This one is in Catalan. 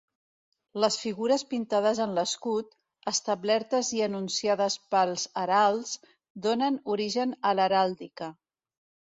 Les figures pintades en l'escut, establertes i enunciades pels heralds, donen origen a l'heràldica.